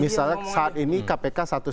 misalnya saat ini kpk satu